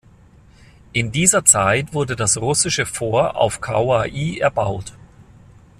In dieser Zeit wurde das Russische Fort auf Kauaʻi erbaut.